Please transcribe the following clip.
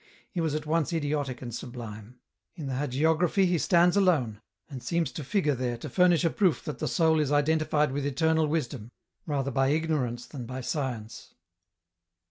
He was at once idiotic and sublime ; in the hagiography he stands alone, and seems to figure there to furnish a proof that the soul is identified with Eternal Wisdom, rather by ignorance than by science. ( EN ROUTE.